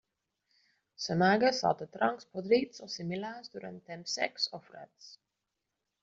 S'amaga sota troncs podrits o similars durant temps secs o freds.